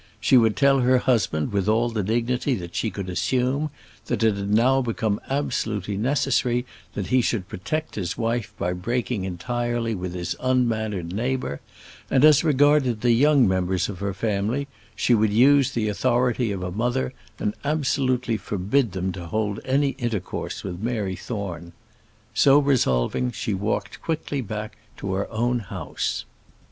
She would tell her husband with all the dignity that she could assume, that it had now become absolutely necessary that he should protect his wife by breaking entirely with his unmannered neighbour; and, as regarded the young members of her family, she would use the authority of a mother, and absolutely forbid them to hold any intercourse with Mary Thorne. So resolving, she walked quickly back to her own house.